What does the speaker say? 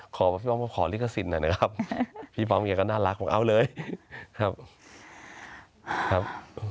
ขอพี่ป้อมขอลิกสินนะครับพี่ป้อมเนี่ยก็น่ารักผมเอาเลยครับ